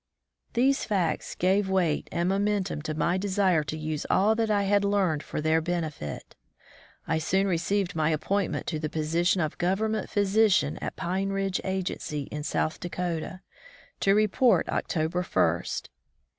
These facts gave weight and momentum to my desire to use all that I had learned for their benefit. I soon received my appointment to the position of Government physician at Pine Ridge agency in South Dakota, to report October first.